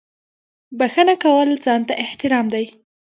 • بښنه کول ځان ته احترام دی.